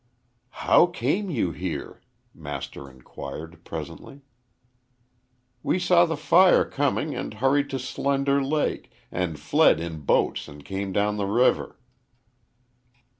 "How came you here?" Master inquired, presently. "We saw the fire coming and hurried to Slender Lake, and fled in boats and came down the river."